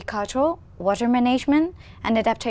về cách chúng tôi có thể tiếp cận